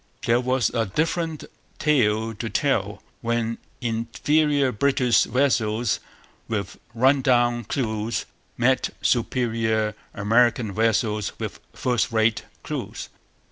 There was a different tale to tell when inferior British vessels with 'run down' crews met superior American vessels with first rate crews.